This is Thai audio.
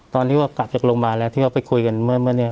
ตอนที่ว่ากลับจากโรงพยาบาลแล้วที่เขาไปคุยกันเมื่อเนี่ย